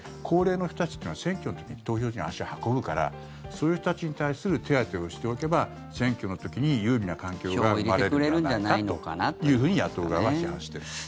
高齢の人たちというのは選挙の時に投票所に足を運ぶからそういう人たちに対する手当てをしておけば選挙の時に有利な環境が生まれるのではないかというふうに野党側は批判している。